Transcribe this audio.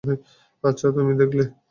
আচ্ছা, তুমি দেখলে?